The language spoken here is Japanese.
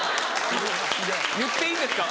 言っていいんですか？